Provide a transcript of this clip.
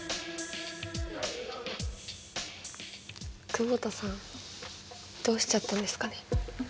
久保田さんどうしちゃったんですかね。